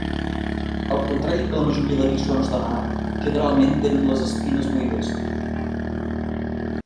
Al contrari que la majoria d'eriçons de mar, generalment tenen les espines buides.